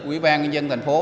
ủy ban nhân dân thành phố